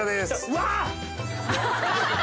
うわ！